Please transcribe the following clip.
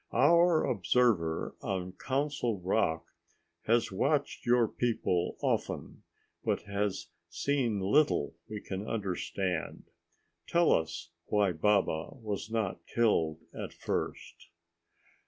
Our observer on Council Rock has watched your people often, but has seen little we can understand. Tell us why Baba was not killed at first."